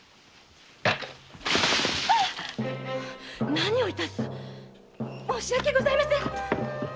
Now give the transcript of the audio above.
何を致す申し訳ございませぬ。